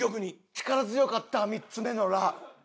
力強かった３つ目の「ラ」。